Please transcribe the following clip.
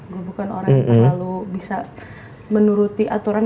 gue bukan orang yang terlalu bisa menuruti aturan